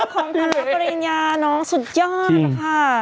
ของปริญญาน้องสุดยอดค่ะ